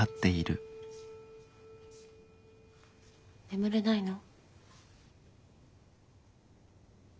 眠れないの？